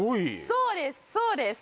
そうです